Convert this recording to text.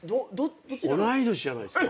同い年じゃないですか？